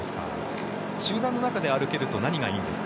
集団の中で歩けると何がいいんですか？